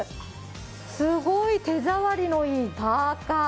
すごい手触りのいいパーカー。